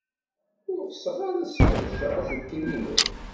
Ur ɣseɣ ara ad sqedceɣ aselkim-inu.